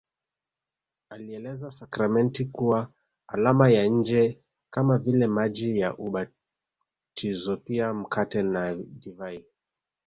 Alieleza sakramenti kuwa alama ya nje kama vile maji ya ubatizopia mkate nadivai